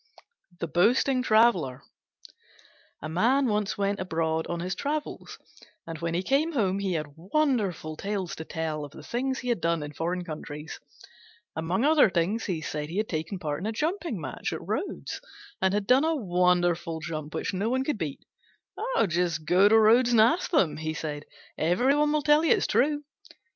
THE BOASTING TRAVELLER A Man once went abroad on his travels, and when he came home he had wonderful tales to tell of the things he had done in foreign countries. Among other things, he said he had taken part in a jumping match at Rhodes, and had done a wonderful jump which no one could beat. "Just go to Rhodes and ask them," he said; "every one will tell you it's true."